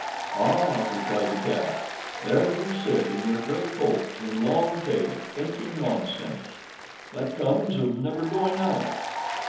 "Ah!" replied the cat, "there you sit in your gray coat and long tail, thinking nonsense. That comes of never going out."